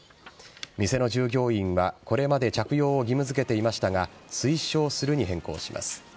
店の従業員はこれまで着用を義務付けていましたが推奨するに変更します。